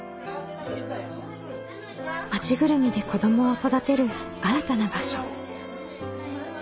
町ぐるみで子どもを育てる新たな場所。